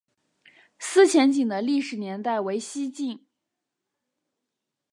思前井的历史年代为西晋。